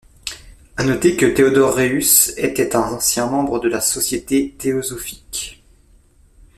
À noter que Theodor Reuss était un ancien membre de la Société théosophique.